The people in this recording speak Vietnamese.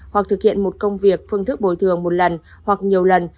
hoặc thực hiện một công việc phương thức bồi thường một lần hoặc nhiều lần